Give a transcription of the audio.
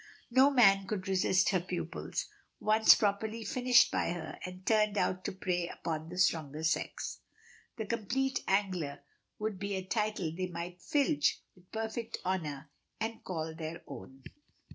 No man could resist her pupils, once properly finished by her and turned out to prey upon the stronger sex. "The Complete Angler" would be a title they might filch with perfect honor and call their own.